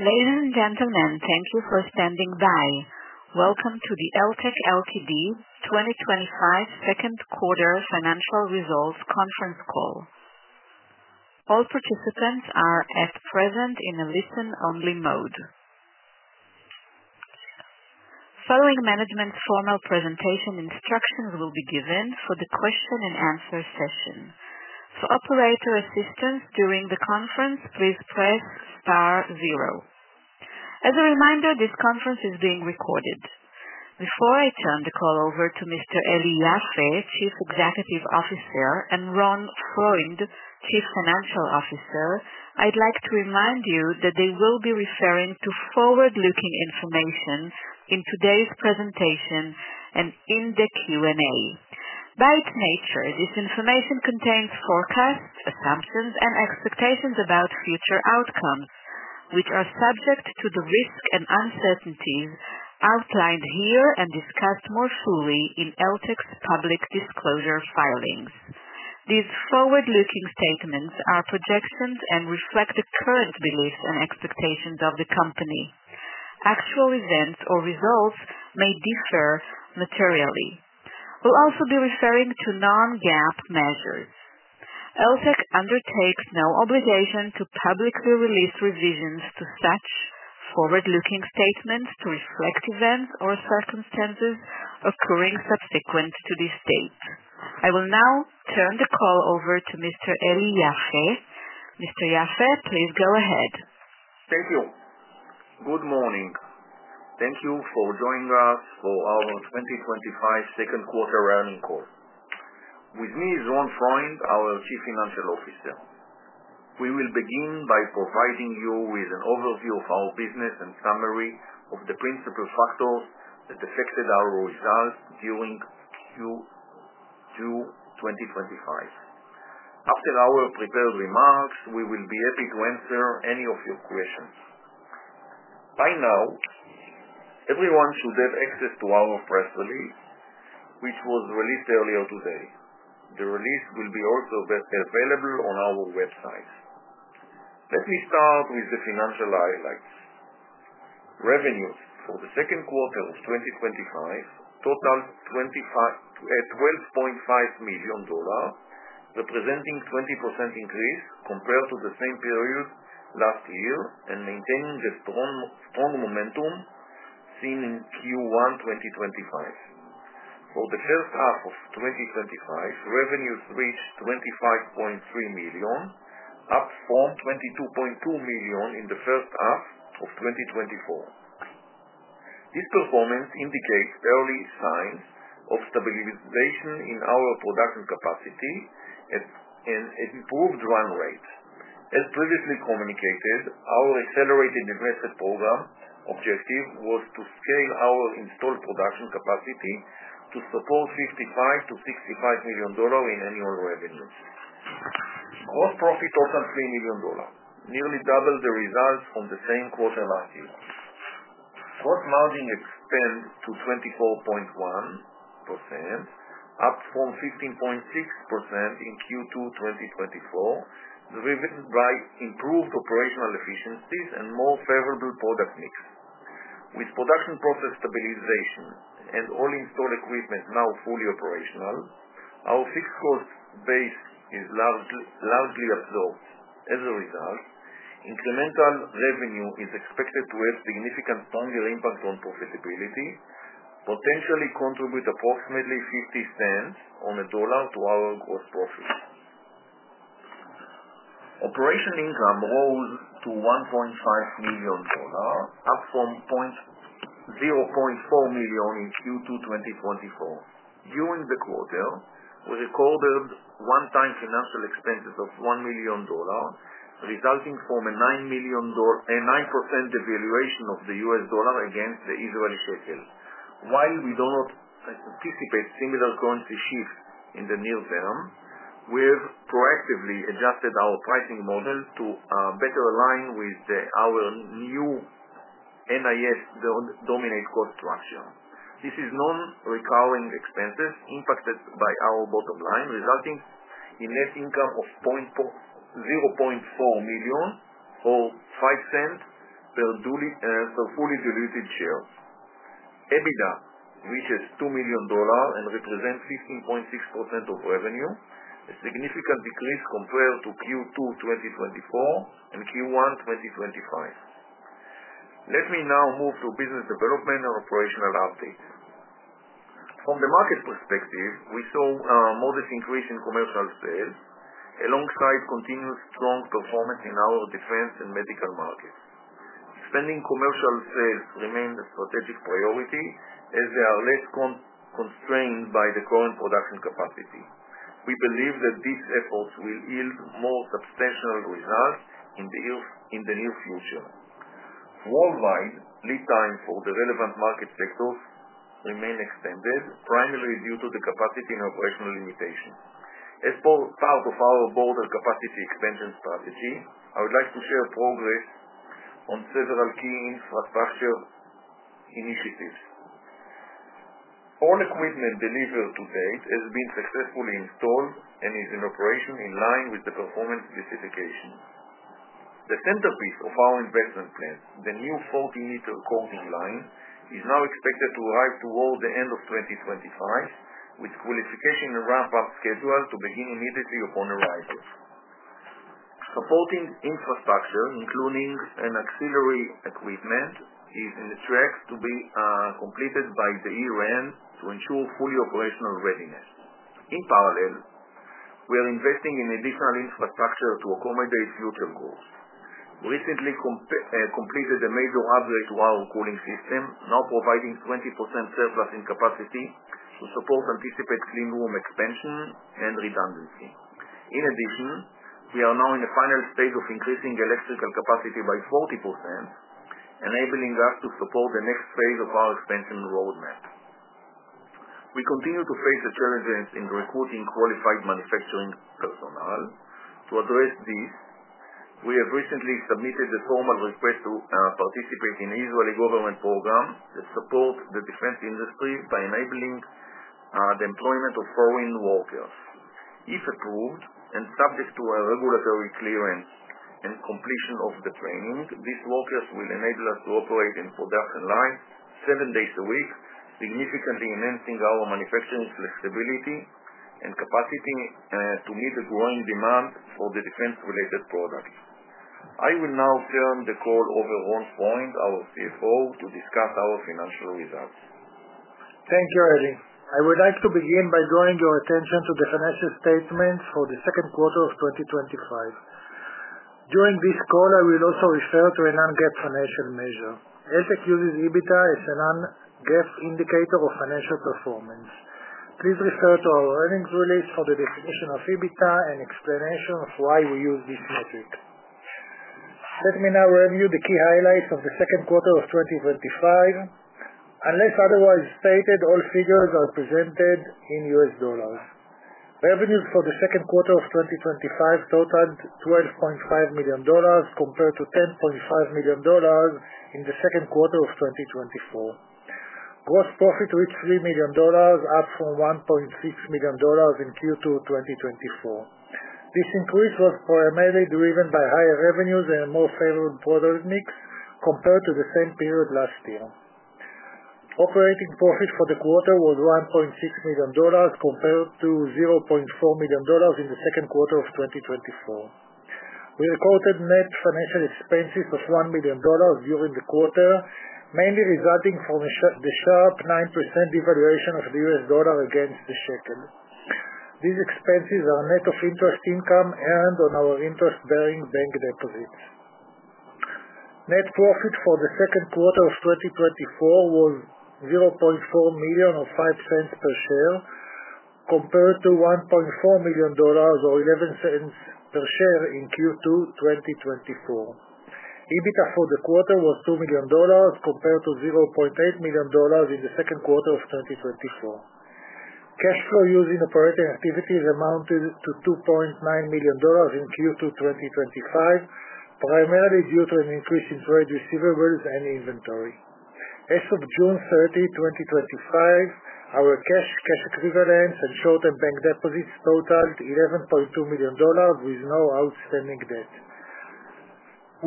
Ladies and gentlemen, thank you for standing by. Welcome to the Eltek Ltd. 2025 Second Quarter Financial Results Conference Call. All participants are at present in a listen-only mode. Following management's formal presentation, instructions will be given for the question and answer session. For operator assistance during the conference, please press star zero. As a reminder, this conference is being recorded. Before I turn the call over to Mr. Eli Yaffe, Chief Executive Officer, and Ron Freund, Chief Financial Officer, I'd like to remind you that they will be referring to forward-looking information in today's presentation and in the Q&A. By its nature, this information contains forecasts, assumptions, and expectations about future outcomes, which are subject to the risk and uncertainties outlined here and discussed more fully in Eltek's public disclosure filings. These forward-looking statements are projections and reflect the current beliefs and expectations of the company. Actual events or results may differ materially. We'll also be referring to non-GAAP measures. Eltek Ltd. undertakes no obligation to publicly release revisions to such forward-looking statements to reflect events or circumstances occurring subsequent to these dates. I will now turn the call over to Mr. Eli Yaffe. Mr. Yaffe, please go ahead. Thank you. Good morning. Thank you for joining us for our 2025 second quarter earnings call. With me is Ron Freund, our Chief Financial Officer. We will begin by providing you with an overview of our business and summary of the principal factors that affected our results during Q2 2025. After our prepared remarks, we will be happy to answer any of your questions. By now, everyone should have access to our press release, which was released earlier today. The release will also be available on our website. Let me start with the financial highlights. Revenues for the second quarter of 2025 total $12.5 million, representing a 20% increase compared to the same period last year and maintaining the strong momentum seen in Q1 2025. For the first half of 2025, revenues reached $25.3 million, up from $22.2 million in the first half of 2024. This performance indicates early signs of stabilization in our production capacity and an improved run rate. As previously communicated, our accelerated progressive program objective was to scale our installed production capacity to support $55 million-$65 million in annual revenues. Gross profit also $3 million, nearly double the results from the same quarter last year. Gross margin expanded to 24.1%, up from 15.6% in Q2 2024, driven by improved operational efficiencies and more favorable product mix. With production process stabilization and all installed equipment now fully operational, our fixed cost base is largely absorbed. As a result, incremental revenue is expected to have significant stronger impact on profitability, potentially contributing approximately $0.50 on a dollar to our gross profit. Operating income rose to $1.5 million, up from $0.4 million in Q2 2024. During the quarter, we recorded one-time financial expenses of $1 million, resulting from a 9% devaluation of the US dollar against the Israeli shekel. While we do not anticipate a similar currency shift in the near term, we have proactively adjusted our pricing model to better align with our new NIS dominant cost structure. This non-recurring expense impacted our bottom line, resulting in less income of $0.4 million or $0.05 per fully diluted share. EBITDA reached $2 million and represents 15.6% of revenue, a significant decrease compared to Q2 2024 and Q1 2025. Let me now move to business development and operational updates. From the market perspective, we saw a modest increase in commercial sales, alongside continued strong performance in our defense and medical markets. Expanding commercial sales remains a strategic priority as they are less constrained by the current production capacity. We believe that these efforts will yield more substantial results in the near future. Worldwide, lead time for the relevant market sectors remains extended, primarily due to the capacity and operational limitations. As part of our broader capacity expansion strategy, I would like to share progress on several key infrastructure initiatives. All equipment delivered to date has been successfully installed and is in operation in line with the performance specifications. The centerpiece of our investment plan, the new 40 m coating line, is now expected to arrive toward the end of 2025, with qualification and wrap-up schedules to begin immediately upon arrival. Supporting infrastructure, including auxiliary equipment, is on track to be completed by the year-end to ensure fully operational readiness. In parallel, we are investing in additional infrastructure to accommodate future goals. We recently completed a major upgrade to our cooling system, now providing 20% surplus in capacity to support anticipated clean room expansion and redundancy. In addition, we are now in the final stage of increasing electrical capacity by 40%, enabling us to support the next phase of our expansion roadmap. We continue to face a challenge in recruiting qualified manufacturing personnel. To address this, we have recently submitted a formal request to participate in the Israeli government program that supports the defense industry by enabling the employment of foreign workers. If approved and subject to our regulatory clearance and completion of the training, these workers will enable us to operate in production line seven days a week, significantly enhancing our manufacturing flexibility and capacity to meet the growing demand for the defense-related products. I will now turn the call over to Ron Freund, our CFO, to discuss our financial results. Thank you, Eli. I would like to begin by drawing your attention to the financial statement for the second quarter of 2025. During this call, I will also refer to a non-GAAP financial measure. Eltek uses EBITDA as a non-GAAP indicator of financial performance. Please refer to our earnings release for the definition of EBITDA and explanation of why we use this metric. Let me now review the key highlights of the second quarter of 2025. Unless otherwise stated, all figures are presented in US dollars. Revenues for the second quarter of 2025 totaled $12.5 million compared to $10.5 million in the second quarter of 2024. Gross profit reached $3 million, up from $1.6 million in Q2 2024. This increase was primarily driven by higher revenues and a more favorable product mix compared to the same period last year. Operating profit for the quarter was $1.6 million compared to $0.4 million in the second quarter of 2024. We recorded net financial expenses of $1 million during the quarter, mainly resulting from the sharp 9% devaluation of the US dollar against the shekel. These expenses are net of interest income earned on our interest-bearing bank deposits. Net profit for the second quarter of 2025 was $0.4 million or $0.05 per share, compared to $1.4 million or $0.11 per share in Q2 2024. EBITDA for the quarter was $2 million compared to $0.8 million in the second quarter of 2024. Cash flow used in operating activities amounted to $2.9 million in Q2 2025, primarily due to an increase in trade receivables and inventory. As of June 30th, 2025, our cash and equivalents and short-term bank deposits totaled $11.2 million, with no outstanding debt.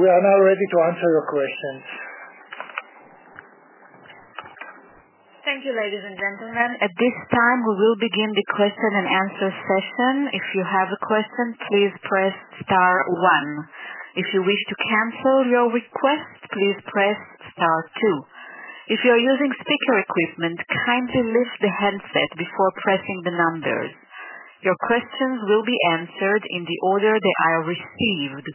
We are now ready to answer your questions. Thank you, ladies and gentlemen. At this time, we will begin the question and answer session. If you have a question, please press star one. If you wish to cancel your request, please press star two. If you are using speaker equipment, kindly lift the headset before pressing the numbers. Your questions will be answered in the order they are received.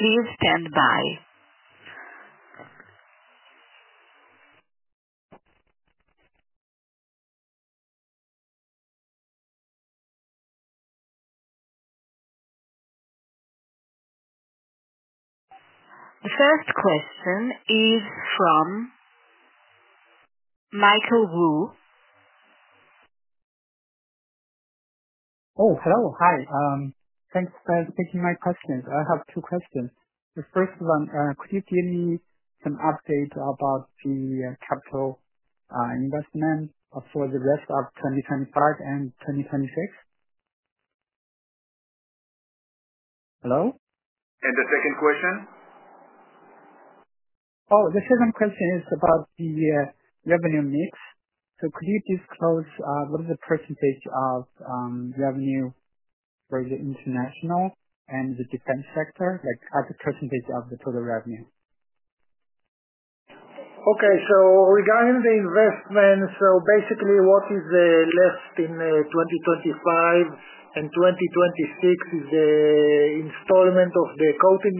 Please stand by. The first question is from Michael Wu. Oh, hello. Hi. Thanks for taking my questions. I have two questions. The first one, could you give me some updates about the capital investment for the workshop from 2025 and 2026? Hello? The second question? The second question is about the revenue mix. Could you disclose what is the percentage of revenue for the international and the defense sector, like at the percentage of the total revenue? Okay. Regarding the investment, what is left in 2025 and 2026 is the installment of the coating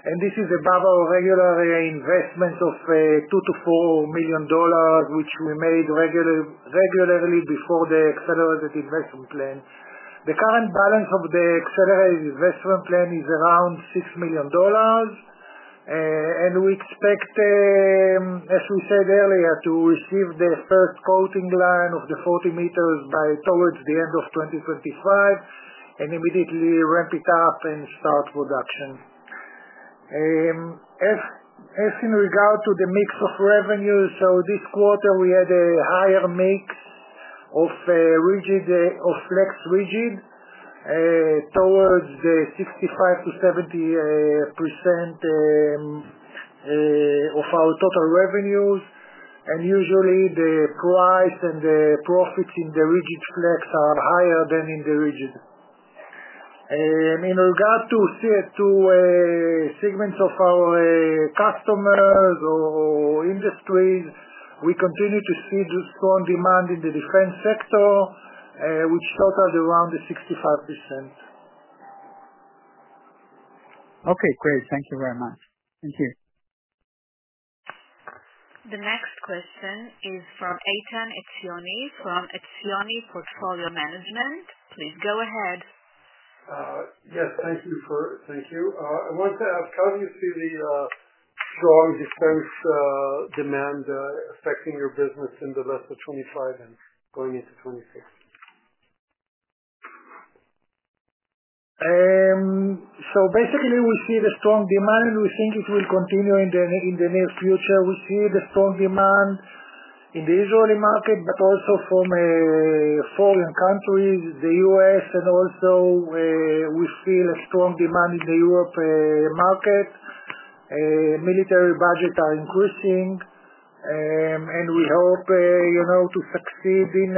line. This is above our regular investments of $2 million-$4 million, which we made regularly before the accelerated investment plan. The current balance of the accelerated investment plan is around $6 million. We expect, as we said earlier, to receive the first coating line of the 40 m by towards the end of 2025 and immediately ramp it up and start production. In regard to the mix of revenues, this quarter, we had a higher mix of flex-rigid printed circuit boards towards the 65%-70% of our total revenues. Usually, the price and the profits in the flex-rigid printed circuit boards are higher than in the rigid. In regard to the two segments of our customers or industries, we continue to see the strong demand in the defense sector, which totals around 65%. Okay. Great. Thank you very much. Thank you. The next question is from Ethan Etzioni from Etzioni Portfolio Management. Please go ahead. Thank you. I wanted to ask, how do you see the strong defense demand affecting your business in the rest of 2025 and going into 2026? We see the strong demand, and we think it will continue in the near future. We see the strong demand in the Israeli market, but also from foreign countries, the U.S., and also, we feel a strong demand in the Europe market. Military budgets are increasing, and we hope, you know, to succeed in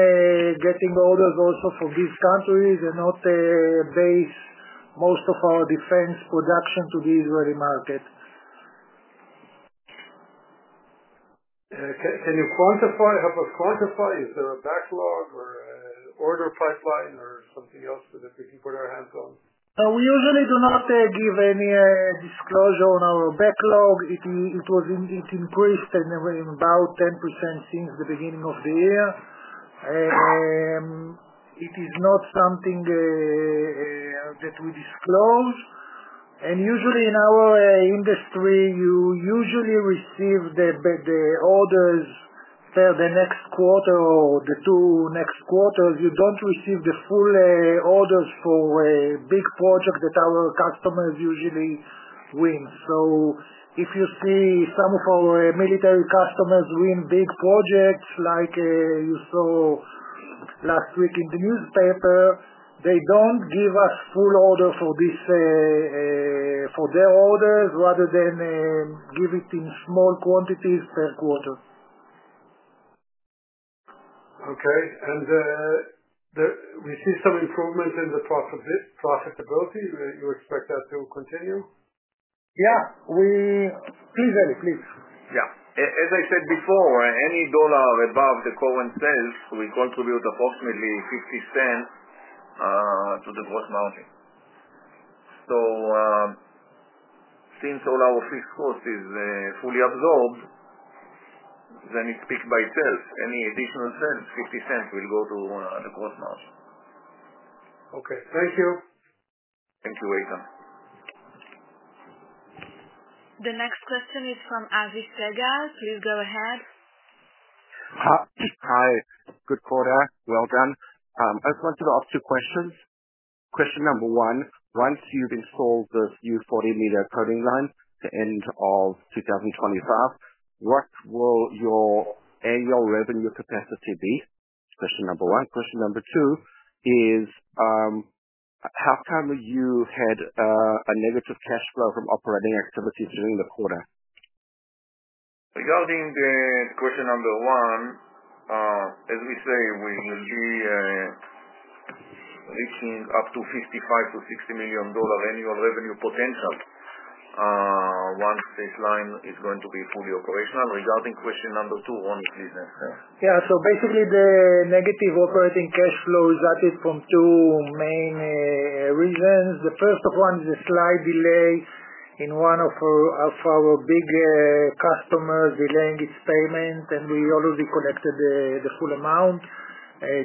getting orders also from these countries and not base most of our defense production to the Israeli market. Can you quantify? Help us quantify. Is there a backlog or an order pipeline or something else that we can put our hands on? We usually do not give any disclosure on our backlog. It increased about 10% since the beginning of the year. It is not something that we disclose. Usually, in our industry, you receive the orders for the next quarter or the two next quarters. You don't receive the full orders for big projects that our customers usually win. If you see some of our military customers win big projects, like you saw last week in the newspaper, they don't give us full orders for their orders rather than give it in small quantities per quarter. Okay. We've seen some improvements in the profitability. You expect that to continue? Yeah, please Eli, please. As I said before, any dollar above the current price will contribute approximately $0.50 to the gross margin. Since all our fixed cost is fully absorbed, it speaks for itself. Any additional price, $0.50 will go to the gross margin. Okay, thank you. Thank you, Ethan. The next question is from Avi Segar. Please go ahead. Hi. Good quarter. Well done. I just wanted to ask two questions. Question number one, once you've installed the new 40 m coating line at the end of 2025, what will your annual revenue capacity be? Question number one. Question number two is, how can you have a negative cash flow from operating activities during the quarter? Regarding the question number one, as we say, we will be reaching up to $55 million-$60 million annual revenue potential, once this line is going to be fully operational. Regarding question number two, Ron, please answer. Basically, the negative operating cash flow comes from two main reasons. The first one is a slight delay in one of our big customers delaying its payment, and we already collected the full amount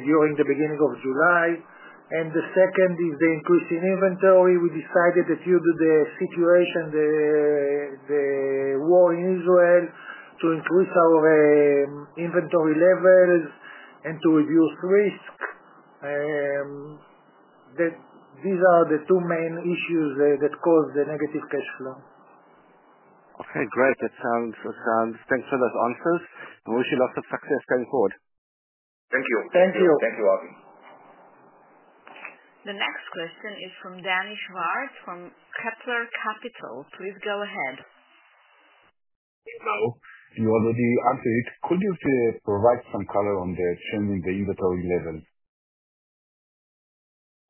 during the beginning of July. The second is the increase in inventory. We decided that due to the situation, the war in Israel, to increase our inventory levels and to reduce risk. These are the two main issues that cause the negative cash flow. Great. That sounds thanks for those answers. I wish you lots of success going forward. Thank you. Thank you, Avi. The next question is from Dany Shwartz from Kepler Capital. Please go ahead. You already answered it. Could you provide some color on the churn in the inventory levels?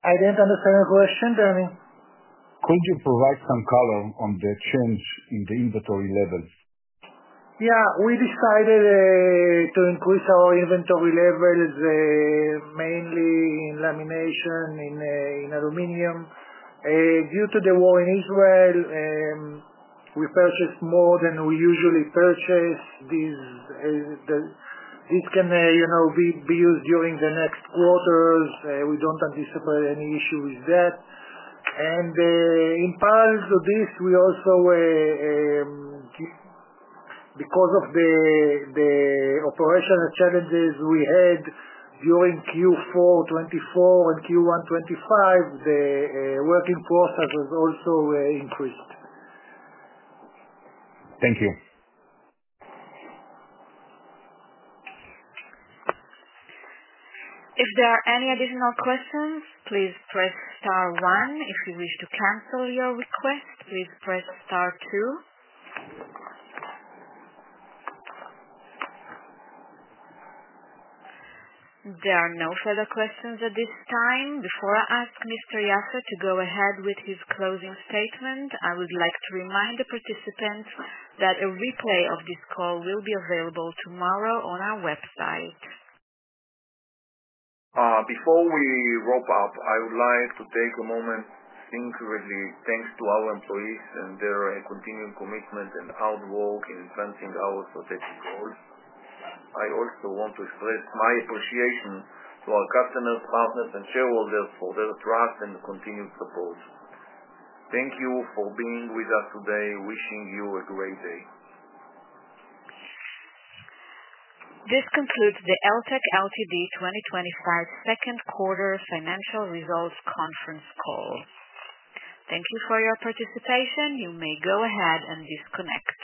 I didn't understand the question, Dany. Could you provide some color on the churn in the inventory levels? Yeah. We decided to increase our inventory levels, mainly in lamination and in aluminum. Due to the war in Israel, we purchased more than we usually purchase. This can be used during the next quarters. We don't anticipate any issues with that. In parallel to this, we also, because of the operational challenges we had during Q4 2024 and Q1 2025, the working process has also increased. Thank you. If there are any additional questions, please press star one. If you wish to cancel your request, please press star two. There are no further questions at this time. Before I ask Mr. Yaffe to go ahead with his closing statement, I would like to remind the participants that a replay of this call will be available tomorrow on our website. Before we wrap up, I would like to take a moment to sincerely thank our employees and their continued commitment and hard work in advancing our strategic goals. I also want to express my appreciation to our customers, partners, and shareholders for their trust and continued support. Thank you for being with us today. Wishing you a great day. This concludes the Eltek Ltd. 2025 Second Quarter Financial Results Conference Call. Thank you for your participation. You may go ahead and disconnect.